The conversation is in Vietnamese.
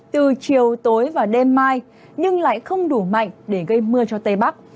từ chiều tối và đêm mai nhưng lại không đủ mạnh để gây mưa cho tây bắc